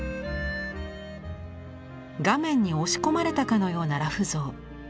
画面に押し込まれたかのような裸婦像。